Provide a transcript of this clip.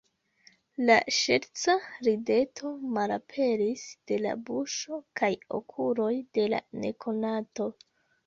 La ŝerca rideto malaperis de la buŝo kaj okuloj de la nekonato.